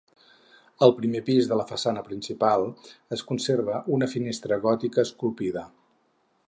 Al primer pis de la façana principal es conserva una finestra gòtica esculpida.